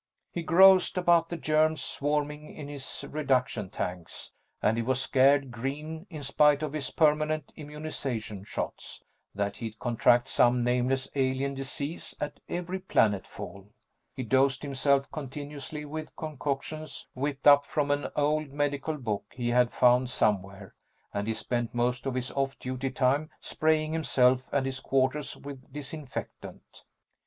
He groused about the germs swarming in his reduction tanks, and he was scared green, in spite of his permanent immunization shots, that he'd contract some nameless alien disease at every planetfall. He dosed himself continuously with concoctions whipped up from an old medical book he had found somewhere, and he spent most of his off duty time spraying himself and his quarters with disinfectant.